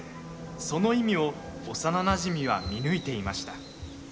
その意味を幼なじみは見抜いていました。